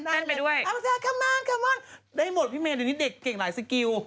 เต้นไปด้วยอับสาคำมันคำมันได้หมดพี่เมนดังนี้เด็กเก่งหลายสกิล